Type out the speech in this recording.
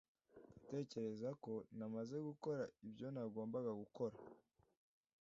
Ndatekereza ko namaze gukora ibyo nagombaga gukora.